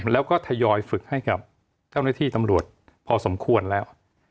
แล้วก็ทยอยฝึกให้กับเจ้าหน้าที่ตำรวจพอสมควรแล้ว